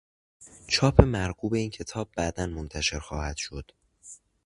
چاپ مرغوب این کتاب بعدا منتشر خواهد شد.